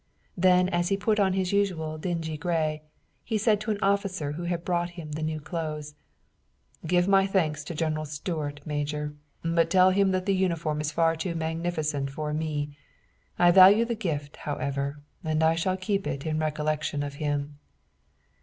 Then as he put on his usual dingy gray, he said to an officer who had brought him the new clothes: "Give my thanks to General Stuart, Major, but tell him that the uniform is far too magnificent for me. I value the gift, however, and shall keep it in recollection of him."